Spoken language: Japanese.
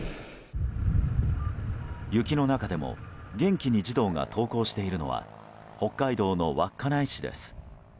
雪の中でも元気に児童が登校しているのは北海道の稚内市です。